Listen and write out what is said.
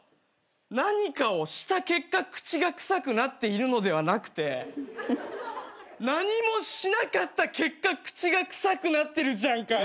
何かをした結果口が臭くなっているのではなくて何もしなかった結果口が臭くなってるじゃんかよ。